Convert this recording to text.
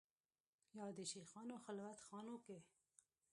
یا د شېخانو خلوت خانو کې